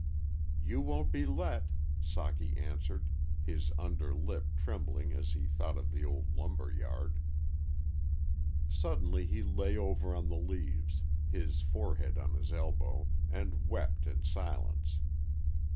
"You won't be let," Socky answered, his under lip trembling as he thought of the old lumberyard. Suddenly he lay over on the leaves, his forehead on his elbow, and wept in silence.